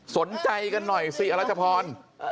สนใจกันหน่อยสิรัชพร